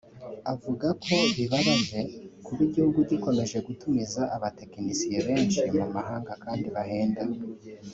avuga ko bibabaje kuba igihugu gikomeje gutumiza abatekinisiye benshi mu mahanga kandi bahenda